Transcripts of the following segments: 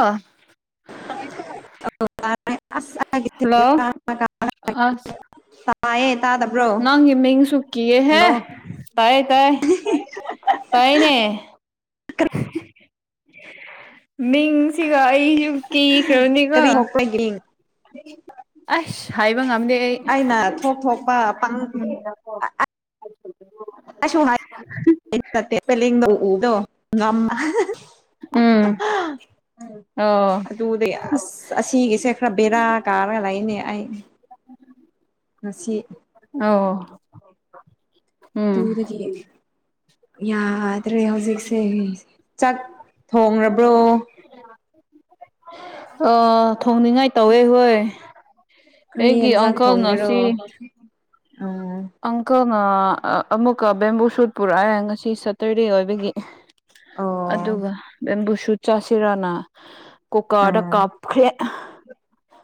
ꯍ ꯍꯜꯂꯣ ꯑꯁ ꯇꯥꯗꯞ ꯅꯪꯒꯤ ꯃ ꯁꯀꯤ ꯍꯦ ꯇꯥꯏ ꯇꯥꯏ ꯇꯥꯏꯅꯦ ꯃꯤꯡꯁꯤꯒ ꯑꯩꯁꯨꯨꯝ ꯀꯤꯈ꯭ꯔꯕꯅꯤꯒ ꯀ ꯀ ꯑꯁ ꯍꯥꯏꯕ ꯉꯝꯗꯦ ꯑꯩ ꯊꯣꯛ ꯊꯣꯛꯄ ꯄꯪ ꯑꯣ ꯅꯦꯗ ꯎꯗꯣ ꯎꯝ ꯎꯝ ꯑꯣ ꯑꯗꯨꯗꯩ ꯑꯁ ꯑꯁꯤꯒꯤꯁꯦ ꯈꯔ ꯕꯦꯔꯥ ꯀꯥꯔꯒ ꯂꯩꯅꯦ ꯑꯩ ꯉꯁꯤ ꯑ ꯇꯨꯗꯒꯤ ꯌꯥꯗ꯭ꯔꯦ ꯍꯧꯖꯤꯛꯁꯦ ꯆꯥꯛ ꯊꯣꯡꯕ꯭ꯔꯣ ꯑ ꯊꯣꯡꯅꯤꯡꯉꯥꯏ ꯇꯧꯋꯦ ꯍꯣꯏ ꯈꯔꯤ ꯑꯩꯒꯤ ꯌꯦꯟꯖꯥꯡ ꯑꯪꯀꯜꯅ ꯊꯣꯡꯒꯦꯔꯣ ꯁꯤ ꯎꯝ ꯑꯪꯀꯜꯅ ꯑꯃꯨꯛꯀ ꯕꯦꯝꯕꯨ ꯁꯨꯠ ꯄꯨꯔꯛꯑꯦ ꯉꯁꯤ ꯁꯇꯔꯗꯦ ꯑꯣꯏꯕꯒꯤ ꯑꯣ ꯑꯗꯨꯒ ꯅꯦꯝꯕꯨꯁꯨ ꯆꯥꯁꯤꯔꯅ ꯀꯨꯀꯥꯔꯗ ꯎꯝ ꯀꯥꯞꯈ꯭ꯔꯦ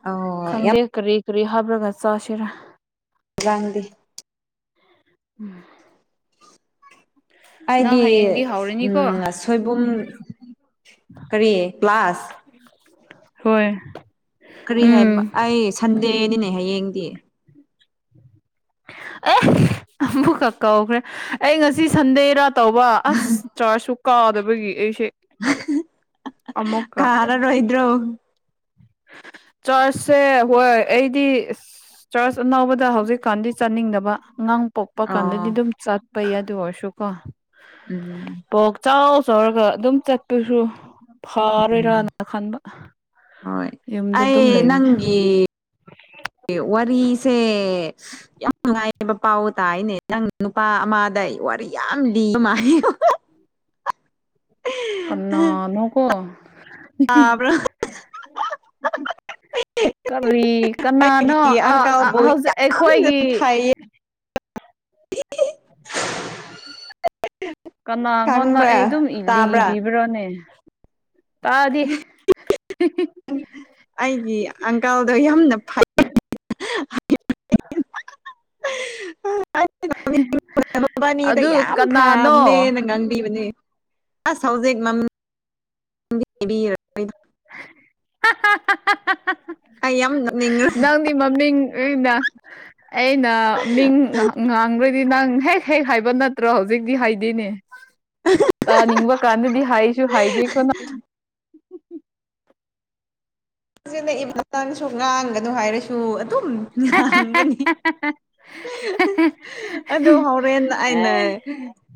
ꯑꯣ ꯌꯥꯝ ꯈꯪꯗꯦ ꯀꯔꯤ ꯀꯔꯤ ꯍꯥꯞꯂꯒ ꯆꯥꯁꯤꯔ ꯅꯪꯗꯤ ꯎꯝ ꯅꯪ ꯑꯩꯗꯤ ꯍꯌꯦꯡꯗꯤ ꯍꯧꯔꯅꯤꯀꯣ ꯁꯣꯏꯕꯨꯝ ꯀꯔꯤ ꯀ꯭ꯂꯥꯁ ꯍꯣꯏ ꯀꯔꯤ ꯍꯥꯏꯕ ꯎꯝ ꯑꯩ ꯁꯟꯗꯦꯅꯤꯅꯦ ꯍꯌꯦꯡꯗꯤ ꯑꯦ ꯑꯃꯨꯛꯀꯛ ꯀꯧꯈ꯭ꯔꯦ ꯑꯩ ꯉꯁꯤ ꯁꯟꯗꯦꯔꯥ ꯇꯧꯕ ꯑꯁ ꯆꯥꯔꯖꯁꯨ ꯀꯥꯎꯗꯕꯒꯤ ꯑꯩꯁꯦ ꯑꯃꯨꯛꯀ ꯔꯣꯍꯤꯗ꯭ꯔꯣ ꯆꯠꯁꯦ ꯍꯣꯏ ꯑꯩꯗꯤ ꯆꯥꯔꯆ ꯑꯅꯥꯕꯗ ꯍꯧꯖꯤꯛꯀꯥꯟꯗꯤ ꯆꯥꯅꯤꯡꯗꯕ ꯑꯉꯥꯡ ꯄꯣꯛꯄ ꯀꯥꯟꯗꯗꯤ ꯑꯣ ꯑꯗꯨꯝ ꯆ ꯄꯩꯌꯥꯗꯨ ꯑꯣꯏꯁꯨ ꯀꯣ ꯎꯝ ꯀꯣꯛ ꯆꯥꯎ ꯆꯥꯎꯔꯒ ꯑꯗꯨꯝ ꯆꯠꯄꯁꯨ ꯐꯔꯣꯏꯔꯥꯅ ꯈꯟꯕ ꯍꯣꯏ ꯌꯨꯝꯗ ꯑꯗꯨꯝ ꯑꯩ ꯂꯩꯕꯅꯦ ꯅꯪꯒꯤ ꯋꯥꯔꯤꯁꯦ ꯌꯥꯝ ꯅꯨꯡꯉꯥꯏꯑꯕ ꯄꯥꯎ ꯇꯥꯏꯅꯦ ꯅꯪ ꯅꯨꯄꯥ ꯑꯃꯗ ꯋꯥꯔꯤ ꯌꯥꯝ ꯂꯤꯕ [unintelligible] ꯀꯅꯥꯅꯣ ꯀꯣ ꯇꯕ꯭ꯔꯥ ꯀꯔꯤ ꯀꯅꯥꯅꯣ ꯑꯩꯒꯤ ꯑꯪꯀꯜꯕꯨ ꯍꯧꯖꯤꯛ ꯑꯩꯈꯣꯏꯒꯤ ꯐꯩꯌꯦ [unintelligible] ꯀꯅꯥꯉꯣꯟꯗ ꯈꯪꯕ꯭ꯔꯥ ꯑꯩ ꯑꯗꯨꯝ ꯇꯥꯕ꯭ꯔꯥ ꯂꯤꯕꯤꯕ꯭ꯔꯣꯅꯦ ꯇꯥꯗꯦ ꯑꯩꯒꯤ ꯑꯪꯀꯜꯗꯣ ꯌꯥꯝꯅ ꯐꯩ [unintelligible] [unintelligible] ꯃꯥꯕꯥꯅꯤꯗ ꯑꯗꯨ ꯌꯥꯝ ꯀꯅꯥꯅꯣ ꯐꯕꯅꯦꯅ ꯉꯥꯡꯕꯤꯕꯅꯦ ꯑꯁ ꯍꯧꯖꯤꯛ [unintelligible] [unintelligible] ꯑꯩ ꯌꯥꯝ ꯅꯣꯡꯅꯤꯡꯒꯔꯦ ꯅꯪꯗꯤ ꯃꯃꯤꯡ ꯑꯩꯅ ꯃꯤꯡ ꯉꯥꯡꯈ꯭ꯔꯗꯤ ꯅꯪ ꯍꯦꯛ ꯍꯦꯛ ꯍꯥꯏꯕ ꯅꯠꯇ꯭ꯔꯣ ꯍꯧꯖꯤꯛꯇꯤ ꯍꯥꯏꯗꯤꯅꯦ ꯑ ꯅꯤꯡꯕ ꯀꯥꯟꯗꯗꯤ ꯍꯥꯏꯁꯨ ꯍꯥꯏꯗꯤꯀ ꯅ ꯏꯃꯊꯪꯁꯨ ꯉꯥꯡꯒꯅꯨ ꯍꯥꯏꯔꯁꯨ ꯑꯗꯨꯝ ꯉꯥꯡꯕꯅꯤ ꯑꯗꯨ ꯍꯣꯔꯦꯟ ꯑꯩꯅ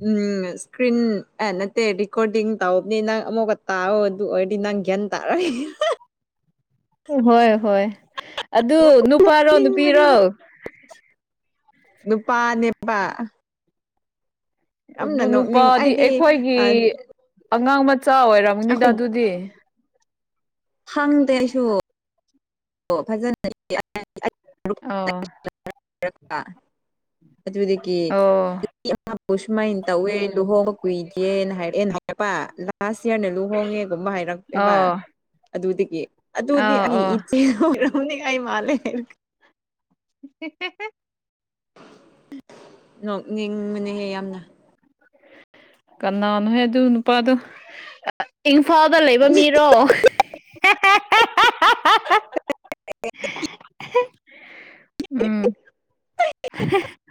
ꯎꯝ ꯏꯁꯀ꯭ꯔꯤꯟ ꯑꯦ ꯅꯠꯇꯦ ꯦꯀꯣꯔꯗꯤꯡ ꯇꯧꯕꯅꯤ ꯅꯪ ꯑꯃꯨꯛꯀ ꯇꯥꯛꯑꯣ ꯑꯗꯨ ꯑꯣꯏꯔꯗꯤ ꯅꯪ ꯒ꯭ꯌꯥꯟ ꯇꯥꯔꯒꯦ ꯎ ꯍꯣꯏ ꯍꯣꯏ ꯑꯗꯨ ꯅꯨꯄꯥꯔꯣ ꯅꯨꯄꯤꯔꯣ ꯅꯨꯄꯥ ꯅꯨꯄꯥ ꯑꯗꯨ ꯅꯣꯛꯅꯤꯡ ꯅꯨꯄꯥꯗꯤ ꯑꯩꯗꯤ ꯑꯩꯈꯣꯏꯒꯤ ꯑꯩꯈꯣꯏ ꯑꯉꯥꯡ ꯃꯆꯥ ꯑꯣꯏꯔꯝꯅꯤꯗ ꯑꯗꯨꯗꯤ ꯈꯪꯗꯦ ꯑꯩꯁꯨ ꯑꯣ ꯐꯖꯅ ꯑꯣ [unintelligible] ꯑꯗꯨꯗꯒꯤ ꯑꯣ ꯑꯃꯕꯨ ꯁꯨꯃꯥꯏꯅ ꯇꯧꯋꯦ ꯂꯨꯍꯣꯡꯕ ꯀꯨꯏꯒꯦꯅ ꯍꯥꯏꯔꯛꯑꯦꯅ ꯄꯥ ꯂꯥꯁ ꯌꯔꯅ ꯂꯨꯍꯣꯡꯉꯦꯒꯨꯝꯕ ꯍꯥꯏꯔꯛꯄꯦꯕ ꯑꯣ ꯑꯗꯨꯗꯒꯤ ꯑꯗꯨꯗꯤ ꯑꯥ ꯑꯣ ꯏꯆꯦꯔꯣ ꯑꯩ ꯃꯥꯂꯦ [unintelligible] ꯅꯣꯛꯅꯤꯡꯕꯅꯤꯡꯌꯦ ꯌꯥꯝꯅ ꯀꯅꯥꯅꯣ ꯍꯦ ꯑꯗꯨ ꯅꯨꯄꯥꯗꯨ ꯏꯝꯐꯥꯜꯗ ꯂꯩꯕ ꯃꯤꯔꯣ ꯎꯝ ꯑꯦ [unintelligible]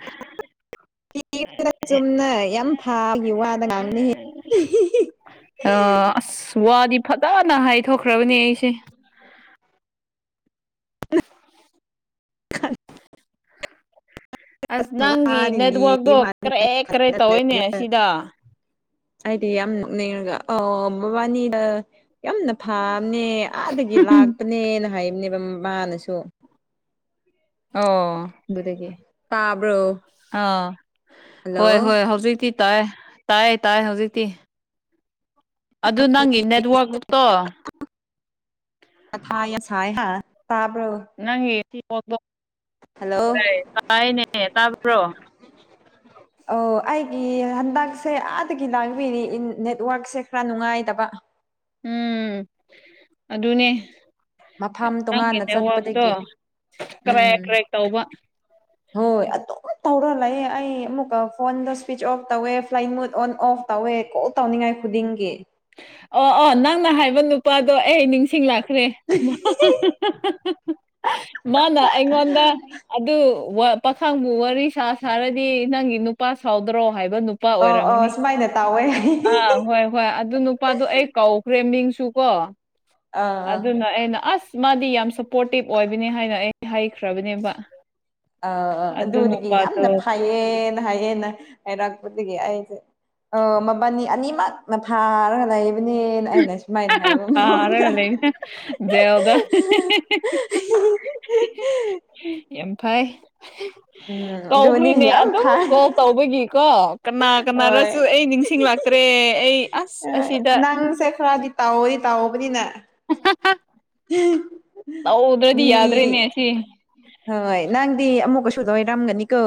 [unintelligible] ꯐꯤꯅ ꯆꯨꯝꯅ ꯌꯥꯝ ꯐꯥꯕꯒꯤ ꯋꯥꯗ ꯉꯥꯡꯅꯤ ꯑ ꯁ ꯋꯥꯗꯤ ꯐꯖꯅ ꯍꯥꯏꯊꯣꯛꯈ꯭ꯔꯕꯅꯦ ꯑꯩꯁꯦ [inaudible] [inaudible] ꯑꯁ ꯅꯪꯒꯤ ꯅꯦꯠꯋꯥꯛꯇꯣ ꯀꯔꯦꯛ ꯀꯔꯦꯛ ꯇꯧꯋꯤꯅꯦ ꯁꯤꯗ [inaudible] [unintelligible] ꯌꯥꯝꯅ ꯐꯕꯅꯦ ꯑꯥꯗꯒꯤ ꯂꯥꯛꯄꯅꯦꯅ ꯍꯥꯏꯕꯅꯦꯕ ꯃꯥꯅꯁꯨ ꯑꯣ ꯑꯗꯨꯗꯒꯤ ꯇꯥꯕ꯭ꯔꯣ ꯑꯥ ꯍꯜꯂꯣ ꯍꯣꯏ ꯍꯣꯏ ꯍꯧꯖꯤꯛꯇꯤ ꯇꯥꯏ ꯇꯥꯏ ꯇꯥꯏ ꯍꯧꯖꯤꯛꯇꯤ ꯑꯗꯨ ꯅꯪꯒꯤ ꯅꯦꯠꯋꯥꯛꯇꯣ [inaudible] ꯍꯜꯂꯣ [inaudible] ꯑꯣ ꯑꯩꯒꯤ ꯍꯟꯗꯛꯁꯦ ꯑꯥꯗꯒꯤ ꯂꯥꯡꯕꯤꯔꯤ ꯅꯦꯠꯋꯔꯛꯁꯦ ꯈꯔ ꯅꯨꯡꯉꯥꯏꯗꯕ ꯎꯝ ꯑꯗꯨꯅꯦ ꯃꯐꯝ ꯅꯪꯒꯤ ꯇꯣꯉꯥꯟꯅ ꯅꯦꯠꯋꯥꯛꯇꯣ ꯆꯠꯄꯗꯒꯤ ꯀ꯭ꯔꯦꯛ ꯎꯝ ꯀ꯭ꯔꯦꯛ ꯇꯧꯕ ꯍꯣꯏ ꯑꯗꯨꯝ ꯇꯧꯔ ꯂꯩꯌꯦ ꯑꯩ ꯑꯃꯨꯛꯀ ꯐꯣꯟꯗꯣ ꯁ꯭ꯋꯤꯆ ꯑꯣꯐ ꯇꯧꯋꯦ ꯐ꯭ꯂꯥꯏꯟ ꯃꯨꯠ ꯑꯣꯟ ꯑꯣꯐ ꯇꯧꯋꯦ ꯀꯣꯜ ꯇꯧꯅꯤꯡꯉꯥꯏ ꯈꯨꯗꯤꯡꯒꯤ ꯑꯣ ꯑꯣ ꯅꯪꯅ ꯍꯥꯏꯕ ꯅꯨꯄꯥꯗꯣ ꯑꯩ ꯅꯤꯡꯁꯤꯡꯂꯛ ꯭ꯔꯦ ꯃꯥꯅ ꯑꯩꯉꯣꯟꯗ ꯑꯗꯨ ꯋꯥ ꯄꯥꯈꯪ ꯋꯥꯔꯤ ꯁꯥ ꯁꯥꯔꯗꯤ ꯅꯪꯒꯤ ꯅꯨꯄꯥ ꯁꯥꯎꯗ꯭ꯔꯣ ꯍꯥꯏꯕ ꯅꯨ ꯅꯨꯄꯥ ꯑꯣ ꯑꯣ ꯑꯣꯏꯔꯝꯅꯤ ꯁꯨꯃꯥꯏꯅ ꯇꯧꯋꯦ ꯑꯥ ꯍꯣꯏ ꯍꯣꯏ ꯑꯗꯨ ꯅꯨꯄꯥꯗꯣ ꯑꯩ ꯀꯧꯈ꯭ꯔꯦ ꯃꯤꯡꯁꯨ ꯀꯣ ꯑꯥ ꯑꯗꯨꯅ ꯑꯩꯅ ꯑꯁ ꯃꯥꯗꯤ ꯌꯥꯝ ꯁꯄꯣꯔꯇꯤꯞ ꯑꯣꯏꯕꯅꯤ ꯍꯥꯏꯅ ꯑꯩ ꯍꯥꯏꯈ꯭ꯔꯕꯅꯦꯕ ꯑ ꯑꯗꯨ ꯑꯗꯨꯗꯒꯤ ꯅꯨꯄꯥꯗꯣ ꯌꯥꯝꯅ ꯐꯩꯌꯦꯅ ꯍꯥꯏꯌꯦꯅ ꯍꯥꯏꯔꯛꯄꯗꯒꯤ ꯑꯩꯁꯦ ꯑ ꯃꯕꯥꯅꯤ ꯑꯅꯤꯃꯛ ꯃꯊꯥ ꯂꯩꯕꯅꯦ ꯑꯩꯅ ꯁꯨꯃꯥꯏꯅ ꯍꯥꯏꯕ ꯃꯑꯣꯟꯗ ꯐꯥꯔꯒ ꯂꯩꯕꯅꯦ ꯖꯦꯜꯗ ꯌꯥꯝ ꯐꯩ ꯎꯝ ꯑꯗꯨꯅꯤ ꯀꯧꯈ꯭ꯔꯤꯅꯦ ꯌꯥꯝ ꯑꯗꯨ ꯐꯩ ꯀꯣꯜ ꯇꯧꯕꯒꯤꯀꯣ ꯀꯅꯥ ꯍꯣꯏ ꯀꯅꯥꯅꯁꯨ ꯑꯩ ꯅꯤꯡꯁꯤꯡꯂꯇ꯭ꯔꯦ ꯑꯩ ꯑꯁ ꯑꯁꯤꯗ ꯅꯪꯁꯦ ꯈꯔꯗꯤ ꯇꯧꯋꯦ ꯇꯧꯕꯅꯤꯅ ꯇꯧꯗ꯭ꯔꯗꯤ ꯃꯤ ꯌꯥꯗ꯭ꯔꯦꯅꯦ ꯍꯦ ꯍꯣꯏ ꯅꯪꯗꯤ ꯑꯃꯨꯛꯀꯁꯨꯨ ꯂꯣꯏꯔꯝꯒꯅꯤꯀꯣ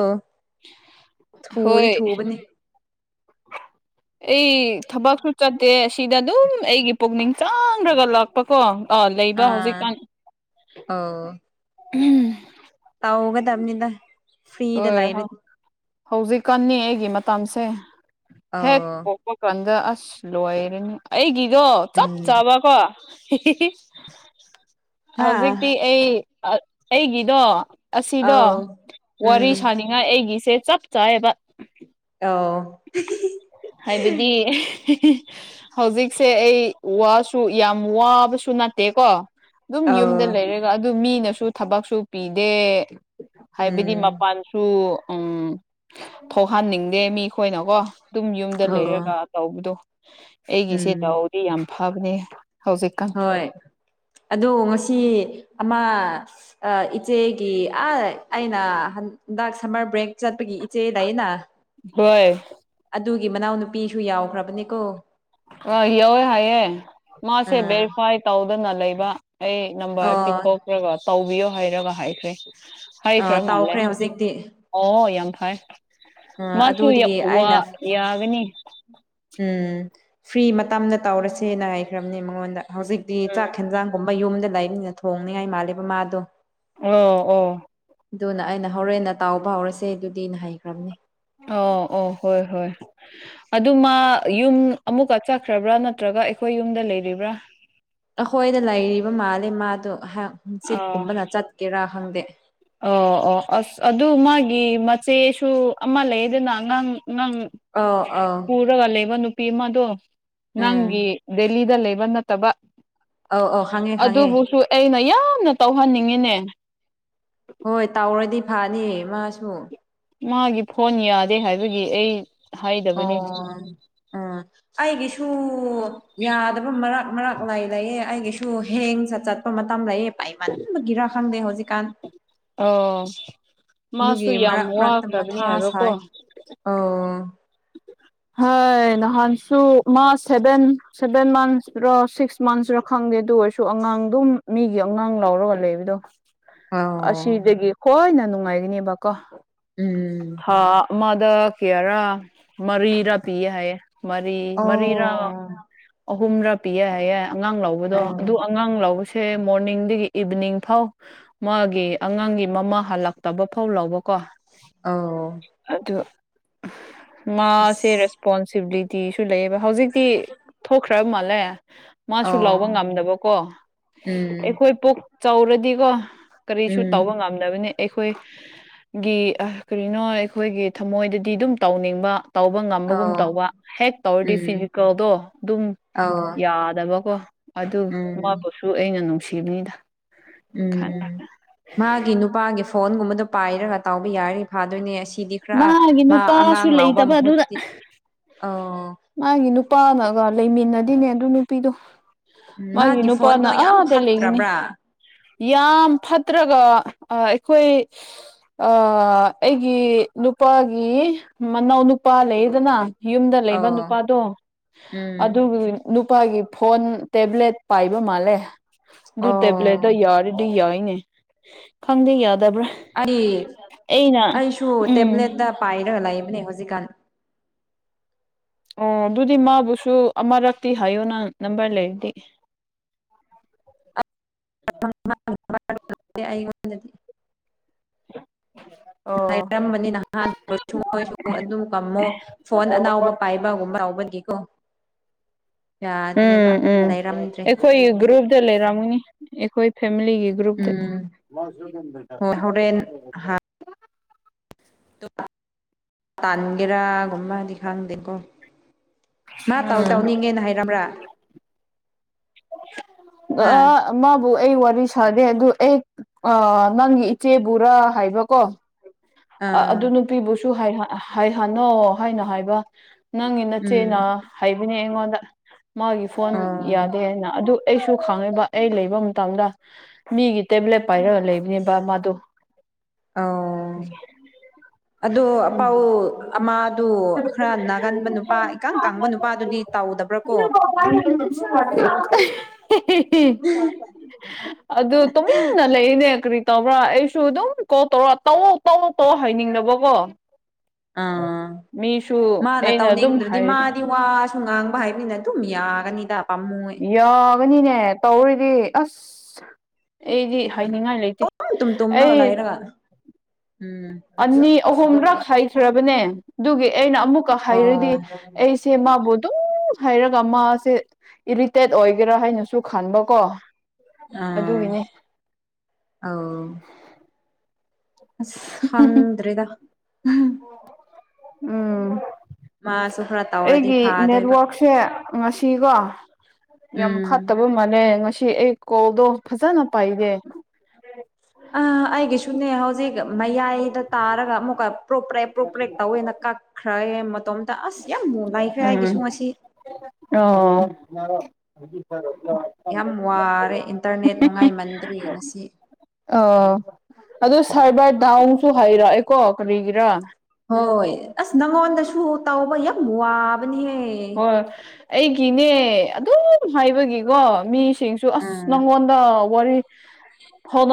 ꯊꯨꯗꯤ ꯍꯣꯏ ꯊꯨꯕꯅꯦ ꯑꯩ ꯊꯕꯛꯁꯨ ꯆꯠꯇꯦ ꯑꯁꯤꯗ ꯑꯗꯨꯝ ꯑꯩꯒꯤ ꯄꯨꯛꯅꯤꯡ ꯆꯪꯈ꯭ꯔꯒ ꯂꯥꯛ ꯄꯀꯣ ꯑ ꯂꯩꯕ ꯍꯧꯖꯤꯛꯀꯥꯟ ꯑꯣ ꯎꯝ ꯇꯧꯒꯗꯕꯅꯤꯗ ꯐ꯭ꯔꯤꯗ ꯍꯣꯏ ꯂꯩꯔꯗꯤ ꯍꯧꯖꯤꯛꯀꯥꯟꯅꯤ ꯑꯩꯒꯤ ꯃꯇꯝꯁꯦ ꯍꯦꯛ ꯑꯧ ꯋꯥꯈꯜꯗ ꯑꯁ ꯂꯣꯏꯔꯅꯤ ꯑꯩꯒꯤꯗꯣ ꯆꯞ ꯎꯝ ꯆꯥꯕꯀꯣ ꯍꯥ ꯍꯧꯖꯤꯛꯇꯤ ꯑꯩ ꯑꯥ ꯑꯩꯒꯤꯗꯣ ꯑꯁꯤꯗꯣ ꯑꯧ ꯎꯝ ꯋꯥꯔꯤ ꯁꯥꯅꯤꯡꯉꯥꯏ ꯑꯩꯒꯤꯁꯦ ꯆꯞ ꯆꯥꯏꯌꯦꯕ ꯑꯣ ꯍꯥꯏꯕꯗꯤ ꯍꯧꯖꯤꯛꯁꯦ ꯑꯩ ꯋꯥꯁꯨ ꯌꯥꯝ ꯋꯥꯕꯁꯨ ꯅꯠꯇꯦꯀꯣ ꯑꯗꯨꯝ ꯑꯧ ꯌꯨꯝꯗ ꯂꯩꯔꯒ ꯑꯗꯨ ꯃꯤꯅꯁꯨ ꯊꯕꯛꯁꯨ ꯄꯤꯗꯦ ꯎꯝ ꯍꯥꯏꯕꯗꯤ ꯃꯄꯥꯟ ꯁꯨ ꯎꯝ ꯊꯣꯛꯍꯟꯅꯤꯡꯗꯦ ꯃꯤꯈꯣꯏꯅꯀꯣ ꯑꯗꯨꯝ ꯌꯨꯝꯗ ꯑꯧ ꯂꯩꯔꯒ ꯇꯧꯕꯗꯣ ꯑꯩꯒꯤꯁꯦ ꯎꯝ ꯗꯥꯎꯗꯤ ꯌꯥꯝ ꯐꯕꯅꯦ ꯍꯧꯖꯤꯛꯀꯟ ꯍꯣꯏ ꯑꯗꯨ ꯉꯁꯤ ꯑꯃꯥ ꯑ ꯏꯆꯦꯒꯤ ꯑ ꯑꯩꯅ ꯍꯟꯗꯛ ꯁꯝꯃꯔ ꯕ꯭ꯔꯦꯛ ꯆꯠꯄꯒꯤ ꯏꯆꯦ ꯂꯩꯅ ꯍꯣꯏ꯫ ꯑꯗꯨꯒꯤ ꯃꯅꯥꯎ ꯅꯨꯨꯄꯤꯁꯨ ꯌꯥꯎꯈ꯭ꯔꯕꯅꯦꯀꯣ꯫ ꯑꯥ ꯌꯧꯋꯦ ꯍꯥꯏꯌꯦ‌ ꯃꯥꯁꯦ ꯑꯥ ꯚꯦꯔꯤꯐꯥꯏꯠ ꯇꯧꯗꯅ ꯂꯩꯕ ꯑꯩ꯫ ꯅꯝꯕꯔ ꯑꯣ ꯄꯤꯊꯣꯛꯈ꯭ꯔꯒ ꯇꯧꯕꯤꯌꯣ ꯍꯥꯏꯔꯒ ꯍꯥꯏꯈ꯭ꯔꯦ ꯍꯥꯏꯈ꯭ꯔ ꯑꯥ ꯃꯥꯜꯂꯦ꯫ ꯇꯥꯎꯈ꯭ꯔꯦ ꯍꯧꯖꯤꯛꯇꯤ ꯑꯣ ꯌꯥꯝ ꯐꯥꯔꯦ ꯑꯥ ꯃꯥꯁꯨ ꯌꯥ ꯑꯗꯨꯗꯒꯤ ꯋꯥ ꯑꯩꯅ ꯌꯥꯒꯅꯤ꯫ ꯎꯝ ꯐ꯭ꯔꯤ ꯃꯇꯝꯗ ꯇꯧꯔꯁꯦꯅ ꯍꯥꯏꯈ꯭ꯔꯕꯅꯤ ꯃꯉꯣꯟꯗ ꯍꯧꯖꯤꯛꯇꯤ ꯎꯝ ꯆꯥꯛ ꯍꯦꯟꯖꯥꯡ꯫ ꯀꯨꯝꯕ ꯌꯨꯝꯗ ꯂꯩꯕꯅꯤ ꯊꯣꯡꯅꯤꯉꯥꯏ ꯃꯥꯜꯂꯦꯕ ꯃꯥꯗꯣ꯫ ꯑꯣ ꯑꯣ꯫ ꯑꯗꯨꯅ ꯑꯩꯅ ꯍꯣꯔꯦꯟꯅ ꯇꯥꯎꯕ ꯍꯧꯔꯁꯦ ꯑꯗꯨꯗꯤ ꯅ ꯍꯩꯈ꯭ꯔꯕꯅꯦ꯫ ꯑꯣ ꯑꯣ ꯍꯣꯏ ꯍꯣꯏ꯫ ꯑꯗꯨꯃꯥ ꯌꯨꯝ ꯑꯃꯨꯛꯀ ꯆꯠꯈ꯭ꯔꯕ꯭ꯔꯥ ꯅꯠꯇ꯭ꯔꯒ ꯑꯩꯈꯣꯏ ꯌꯨꯝꯗ ꯂꯩꯔꯤꯕ꯭ꯔꯥ꯫ ꯑꯩꯈꯣꯏꯗ ꯂꯩꯔꯤꯕ ꯃꯥꯜꯂꯦ ꯃꯥꯗꯣ ꯍꯥꯛ ꯑ ꯆꯤꯠꯀꯨꯝꯕꯗ ꯆꯠꯀꯦꯔꯥ ꯈꯪꯗꯦ꯫ ꯑꯣ ꯑꯣ ꯑꯁ ꯑꯗꯨ ꯃꯥꯒꯤ ꯃꯆꯦꯁꯨ ꯑꯃ ꯂꯩꯗꯅ ꯑꯉꯥꯡ ꯑꯉꯥꯡ꯫ ꯑꯧ ꯑꯧ ꯄꯨꯔꯒ ꯂꯩꯕ ꯅꯨꯄꯤ ꯑꯃꯗꯣ ꯎꯝ ꯅꯪꯒꯤ꯫ ꯗꯦꯂꯤꯗ ꯂꯩꯕ ꯅꯠꯇꯕ ꯑꯧ ꯑꯧ ꯈꯪꯉꯦ ꯈꯪꯉꯦ ꯑꯗꯨꯕꯨꯁꯨ꯫ ꯑꯩꯅ ꯌꯥꯝꯅ ꯇꯧꯍꯟꯅꯤꯡꯉꯤꯅꯦ꯫ ꯍꯣꯏ ꯇꯥꯎꯔꯗꯤ ꯐꯅꯤ ꯃꯥꯁꯨ꯫ ꯃꯥꯒꯤ ꯐꯣꯟ ꯌꯥꯗꯦ ꯍꯥꯏꯕꯒꯤ ꯑꯩ꯫ ꯑꯣ ꯍꯥꯏꯗꯕꯅꯤ ꯎꯝ꯫ ꯑꯩꯒꯤꯁꯨ ꯌꯥꯗꯕ ꯃꯔꯛ ꯃꯔꯛ ꯂꯩ ꯂꯩꯌꯦ ꯑꯩꯒꯤꯁꯨ ꯍꯦꯡ ꯆꯠ ꯆꯠ꯫ ꯃꯇꯝ ꯂꯩꯌꯦ ꯄꯥꯏ ꯃꯟꯕ ꯒꯤꯔꯥ ꯈꯪꯗꯦ ꯍꯧꯖꯤꯛꯀꯥꯟ꯫ ꯑꯣ ꯃꯥꯁꯨ ꯑꯗꯨꯒꯤ ꯌꯥꯝ ꯃꯔꯛ ꯃꯔꯛꯇ ꯋꯥꯈ꯭ꯔꯕꯅꯤ ꯃꯊꯥ ꯍꯥꯏꯕꯀꯣ꯫ ꯁꯥꯏ ꯑꯣ꯫ ꯍꯥꯏ ꯅꯍꯥꯟꯁꯨ ꯃꯥ ꯁꯦꯕꯦꯟ꯫ ꯁꯚꯦꯟ ꯃꯟꯁꯇꯔꯥ ꯁꯤꯛꯁ ꯃꯟꯁꯔꯥ ꯈꯪꯗꯦ ꯑꯗꯨ ꯑꯣꯏꯔꯁꯨ ꯑꯉꯥꯡ ꯑꯗꯨꯝ ꯃꯤꯒꯤ ꯑꯉꯥꯡ ꯂꯧꯔꯒ ꯂꯩꯕꯗꯣ꯫ ꯑꯣ ꯑꯁꯤꯗꯒꯤ ꯈꯣꯏꯅ ꯅꯨꯡꯉꯥꯏꯔꯤꯅꯦꯕ ꯀꯣ꯫ ꯎꯝ ꯊꯥ ꯑꯃꯗ ꯀꯥꯌꯥꯔ꯫ ꯃꯔꯤꯔꯥ ꯄꯤꯌꯦ ꯍꯥꯏꯌꯦ ꯃꯔꯤ ꯃꯔꯤꯔꯥ ꯑꯣ ꯑꯍꯨꯝꯔꯥ ꯄꯤꯌꯦ ꯍꯥꯏꯌꯦ꯫ ꯑꯉꯥꯡ ꯂꯧꯕꯗꯣ ꯑꯗꯨ ꯑꯣ ꯑꯉꯥꯡ ꯂꯧꯕꯁꯦ꯫ ꯑꯦ ꯃꯣꯔꯅꯤꯡꯗꯒꯤ ꯏꯚꯤꯅꯤꯡ ꯐꯥꯎ ꯃꯥꯒꯤ ꯑꯉꯥꯡꯒꯤ ꯃꯃꯥ ꯍꯜꯂꯛꯇꯕ ꯐꯥꯎ ꯂꯧꯕ꯫ ꯀꯣ ꯑꯣ ꯑꯗꯨ꯫ ꯃꯥꯁꯦ ꯑꯁ ꯔꯦꯁꯄꯣꯟꯁꯤꯕꯤꯂꯤꯇꯤꯁꯨ ꯂꯩꯌꯦꯕ ꯍꯧꯖꯤꯛꯇꯤ ꯊꯣꯛꯈ꯭ꯔ ꯃꯥꯜꯂꯦ꯫ ꯃꯥꯁꯨ ꯂꯧꯕ ꯑꯣ ꯉꯝꯗꯕꯀꯣ ꯎꯝ ꯑꯩꯈꯣꯏ ꯄꯣꯛ ꯆꯥꯎꯔꯗꯤꯀꯣ꯫ ꯀꯔꯤꯁꯨ ꯇꯧꯕ ꯎꯝ ꯉꯝ꯫ ꯗꯕꯅꯤ ꯑꯩꯈꯣꯏ ꯒꯤ ꯑꯥ ꯀꯔꯤꯅꯣ ꯑꯩꯈꯣꯏꯒꯤ ꯊꯝꯃꯣꯏꯗꯗꯤ ꯑꯗꯨꯝ ꯇꯧꯅꯤꯡꯕ꯫ ꯇꯧꯕ ꯉꯝꯕꯒꯨꯝ ꯑꯣ ꯇꯧꯕ ꯍꯦꯛ ꯇꯧꯔꯗꯤ ꯎꯝ ꯐꯤꯖꯤꯀꯦꯜꯗꯣ ꯑꯗꯨꯝ꯫ ꯑꯣ ꯌꯥꯗꯕꯀꯣ ꯑꯗꯨ ꯎꯝ ꯃꯥꯕꯨꯁꯨ ꯑꯩꯅ ꯅꯨꯡꯁꯤꯕꯅꯤꯗ꯫ ꯈꯟꯅ ꯎꯝ ꯃꯥꯒꯤ ꯅꯨꯄꯥꯒꯤ ꯐꯣꯟꯒꯨꯝꯕꯗꯣ ꯄꯥꯏꯔꯒ ꯇꯥꯎꯕ ꯌꯥꯔꯤꯗꯤ ꯐꯥꯗꯣꯏꯅꯦ ꯑꯁꯤ꯫ ꯁꯤꯗꯤ ꯈꯔꯥ ꯃꯥꯒꯤ ꯃꯥ ꯅꯨꯄꯥꯁꯨ ꯑꯉꯥꯡ ꯂꯥꯎꯕ ꯂꯩꯇꯕ ꯑꯗꯨꯗ ꯃꯍꯨꯠꯇꯤ ꯑꯣ꯫ ꯃꯥꯒꯤ ꯅꯨꯄꯥꯅꯒ ꯂꯩꯃꯤꯟꯅꯗꯦꯅꯦ ꯑꯗꯨ ꯅꯨꯄꯤꯗꯣ꯫ ꯃꯥꯒꯤ ꯅꯨꯄꯥꯅ ꯐꯣꯟꯗꯣ ꯌꯥꯝ ꯑꯗꯥ ꯂꯩꯒꯅꯤ꯫ ꯐꯠꯇ꯭ꯔꯕ꯭ꯔꯥ ꯌꯥꯝ ꯐꯠꯇ꯭ꯔꯒ ꯑꯩꯈꯣꯏ꯫ ꯑꯥ ꯑꯩꯒꯤ ꯅꯨꯄꯥꯒꯤ ꯃꯅꯥꯎ ꯅꯨꯄꯥ ꯂꯩꯌꯦꯗꯅ꯫ ꯌꯨꯝꯗ ꯂꯩꯕ ꯑꯧ ꯅꯨꯄꯥꯗꯣ ꯎꯝ ꯑꯗꯨꯒꯤ꯫ ꯅꯨꯄꯥꯒꯤ ꯐꯣꯟ ꯇꯦꯕ꯭ꯂꯦꯠ ꯄꯥꯏꯕ ꯃꯥꯜꯂꯦ ꯑꯗꯨ ꯑꯣ ꯇꯦꯕ꯭ꯂꯦꯠꯇ ꯌꯥꯔꯤ꯫ ꯗꯤ ꯌꯥꯏꯅꯦ ꯈꯪꯗꯦ ꯌꯥꯗꯕ꯭ꯔꯥ꯫ ꯑꯩ ꯑꯩꯅ ꯑꯩꯁꯨ ꯎꯝ ꯇꯦꯕ꯭ꯂꯦꯠꯇ ꯄꯥꯏꯔꯒ ꯂꯩꯕꯅꯦ ꯍꯧꯖꯤꯛꯀꯥꯟ꯫ ꯑꯣ ꯑꯗꯨꯗꯤ ꯃꯥꯕꯨꯁꯨ ꯑꯃꯔꯛꯇꯤ ꯍꯥꯏꯌꯣ ꯅꯪꯪ ꯅꯝꯕꯔ ꯂꯩꯔꯗꯤ꯫ ꯑꯩꯑꯣꯟꯗꯗꯤ꯫ [unintelligible] ꯉꯥꯏꯔꯝ ꯃꯅꯤꯅ ꯅꯍꯁꯨ ꯍꯣꯏꯁꯨ ꯑꯗꯨꯝ ꯀꯝꯃꯣ ꯐꯣꯟ ꯑꯅꯥꯎꯕ ꯄꯥꯏꯕꯒꯨꯝꯕ ꯂꯎꯕꯒꯤꯀꯣ ꯌꯥꯗ꯭ꯔꯦꯕ ꯎꯝ ꯎꯝ ꯂꯩꯔꯝꯗ꯭ꯔꯦ ꯑꯩꯈꯣꯏꯒꯤ ꯒ꯭ꯔꯨꯞꯇ ꯂꯩꯔꯝꯒꯅꯤ ꯑꯩꯈꯣꯏ ꯐꯦꯃꯤꯂꯤꯒꯤ ꯒ꯭ꯔꯨꯞꯇ ꯎꯝ ꯍꯣꯏ ꯍꯣꯔꯦꯟ [unintelligible] [inaudible] ꯇꯥꯟꯒꯦꯔꯥꯒꯨꯝꯕꯗꯤ ꯈꯪꯗꯦꯀꯣ ꯃꯥ ꯇꯧ ꯎꯝ ꯇꯧꯅꯤꯡꯉꯦꯅ ꯍꯥꯏꯔꯝꯕ꯭ꯔꯥ ꯍꯥ ꯑ ꯃꯥꯕꯨ ꯑꯩ ꯋꯥꯔꯤ ꯁꯥꯗꯦ ꯑꯗꯨ ꯑꯩ ꯅꯪꯒꯤ ꯏꯆꯦꯕꯨꯔꯥ ꯍꯥꯏꯕꯀꯣ ꯑꯗꯨ ꯑꯥ ꯅꯨꯄꯤꯕꯨꯁꯨ ꯍꯥꯏꯍꯅꯣ ꯍꯥꯏꯅ ꯍꯥꯏꯕ ꯅꯪꯒꯤ ꯅꯆꯦꯅ ꯎꯝ ꯍꯥꯏꯕꯅꯦ ꯑꯩꯉꯣꯟꯗ ꯃꯥꯒꯤ ꯐꯣꯟ ꯑꯣ ꯌꯥꯗꯦ ꯍꯥꯏꯅ ꯑꯗꯨ ꯑꯩꯁꯨ ꯈꯪꯉꯦꯕ ꯑꯩ ꯂꯩꯕ ꯃꯇꯝꯗ ꯃꯤꯒꯤ ꯇꯦꯕ꯭ꯂꯦꯠ ꯄꯥꯏꯔꯒ ꯂꯩꯕꯅꯦꯕ ꯃꯥꯗꯣ ꯑꯥꯎ ꯑꯗꯣ ꯎꯝ ꯑꯄꯥꯎ ꯑꯃꯗꯨ ꯈꯔ ꯅꯥꯒꯟꯕ ꯅꯨꯄꯥ ꯏꯀꯥꯡ ꯀꯥꯡꯕ ꯅꯨꯄꯥꯗꯨꯗꯤ ꯇꯧꯗꯕ꯭ꯔꯥ ꯀꯣ ꯑꯗꯨ ꯇꯨꯃꯤꯟꯅ ꯂꯩꯏꯅꯦ ꯀꯔꯤ ꯇꯧꯕ꯭ꯔꯥ ꯑꯩꯁꯨ ꯑꯗꯨꯝ ꯀꯣꯜ ꯇꯧꯔ ꯇꯧ ꯇꯧ ꯇꯧ ꯍꯥꯏꯅꯤꯡꯅꯕꯀꯣ ꯑꯥ ꯃꯤꯁꯨ ꯑꯩꯅ ꯑꯗꯨꯝ ꯍꯥꯏꯅꯤ ꯁꯨ ꯉꯥꯡꯕ ꯍꯥꯏꯕꯅꯤꯅ ꯑꯗꯨꯝ ꯌꯥꯒꯅꯤꯗ ꯄꯥꯃꯨ ꯌꯥꯒꯅꯤꯅꯦ ꯇꯧꯔꯤꯗꯤ ꯑꯁ ꯑꯩꯗꯤ ꯍꯥꯏꯅꯤꯡꯉꯥꯏ ꯂꯩꯇꯦ ꯇꯨꯝ ꯇꯨꯝ ꯇꯨꯝꯔꯒ ꯑꯩ ꯂꯩꯔꯒ ꯎꯝ ꯑꯅꯤ ꯑꯍꯨꯝꯔꯛ ꯍꯥꯏꯈ꯭ꯔꯕꯅꯦ ꯑꯗꯨꯒꯤ ꯑꯩꯅ ꯑꯃꯨꯛꯀ ꯑꯣ ꯍꯥꯏꯔꯗꯤ ꯑꯩꯁꯦ ꯃꯥꯕꯨ ꯑꯗꯨꯝ ꯍꯥꯏꯔꯒ ꯃꯥꯁꯦ ꯏꯔꯤꯇꯦꯠ ꯑꯣꯏꯒꯦꯔꯥ ꯍꯥꯏꯅꯁꯨ ꯈꯟꯕꯀꯣ ꯑꯥ ꯑꯗꯨꯒꯤꯅꯤ ꯑꯧ ꯑꯁ ꯈꯪꯗ꯭ꯔꯦꯗ ꯎꯝ ꯃꯥꯁꯨ ꯈꯔ ꯇꯧꯔꯗꯤ ꯐꯥꯗꯣꯏꯕ ꯁꯦ ꯉꯁꯤꯀꯣ ꯌꯥꯝ ꯎꯝ ꯐꯠꯇꯕ ꯃꯥꯅꯦ ꯉꯁꯤ ꯑꯩ ꯀꯣꯜꯗꯣ ꯐꯖꯅ ꯄꯥꯏꯒꯦ ꯑ ꯑꯩꯒꯤꯁꯨ ꯁꯨꯅꯦ ꯍꯧꯖꯤꯛ ꯃꯌꯥꯏꯗ ꯇꯥꯔꯒ ꯑꯃꯨꯛꯀ ꯄ꯭ꯔꯣꯛ ꯄ꯭ꯔꯦꯛ ꯄ꯭ꯔꯣꯛ ꯄ꯭ꯔꯦꯛ ꯇꯧꯋꯦꯅ ꯀꯛꯈ꯭ꯔꯦ ꯃꯇꯣꯝꯇ ꯇ ꯑꯁ ꯌꯥꯝ ꯅꯨꯡꯉꯥꯏꯈ꯭ꯔꯦ ꯎꯝ ꯑꯩꯒꯤꯁꯨ ꯉꯁꯤ ꯑꯣ ꯌꯥꯝ ꯋꯥꯔꯦ ꯏꯟꯇꯔꯅꯦꯠ ꯅꯨꯡꯉꯥꯏꯃꯟꯗꯕꯩ ꯉꯁꯤ ꯑ ꯑꯗꯣ ꯁꯥꯔꯕꯔ ꯗꯥꯎꯟꯁꯨ ꯍꯥꯏꯔꯛꯑꯦꯀꯣ ꯀꯔꯤꯒꯤꯔꯥ ꯍꯣꯏ ꯑꯁ ꯅꯪꯉꯣꯟꯗꯁꯨ ꯇꯧꯕ ꯌꯥꯝ ꯋꯥꯕꯅꯦꯍꯦ ꯍꯣꯏ ꯑꯩꯒꯤꯅꯦ ꯑꯗꯨꯝ ꯍꯥꯏꯕꯒꯤꯀꯣ ꯃꯤ ꯁꯤꯡꯁꯨ ꯑꯁ ꯎꯝ ꯅꯪꯉꯣꯟꯗ ꯋꯥꯔꯤ ꯐꯥꯎ